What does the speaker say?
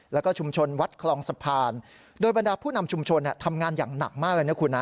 แล้วก็ชุมชนวัดคลองสะพานโดยบรรดาผู้นำชุมชนทำงานอย่างหนักมากเลยนะคุณนะ